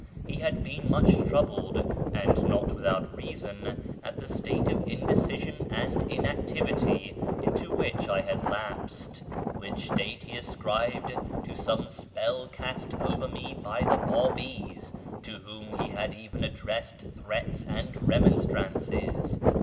He had been much troubled (and not without reason) at the state of indecision and inactivity into which I had lapsed, which state he ascribed to some spell cast over me by the Babis, to whom he had even addressed threats and remonstrances.